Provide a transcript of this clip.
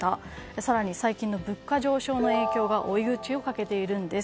更に最近の物価上昇の影響が追い打ちをかけているんです。